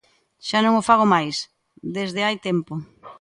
Xa non o fago máis, desde hai tempo.